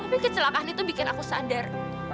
mungkin kecelakaan itu bikin aku sadar